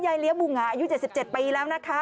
เลี้ยบุงอายุ๗๗ปีแล้วนะคะ